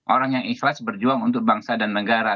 orang yang ikhlas berjuang untuk bangsa dan negara